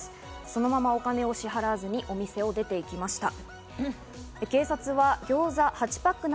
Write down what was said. そのままお金を支払わずにお店を出て行きました。